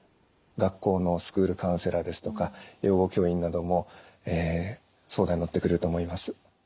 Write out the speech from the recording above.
学校のスクールカウンセラーですとか養護教員なども相談に乗ってくれると思います。